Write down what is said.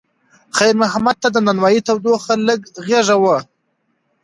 خیر محمد ته د نانوایۍ تودوخه لکه غېږ وه.